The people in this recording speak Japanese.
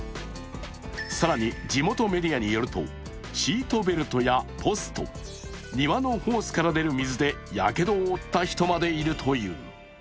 更に地元メディアによるとシートベルトやポスト、庭のホースから出る水でやけどを負った人までいるという。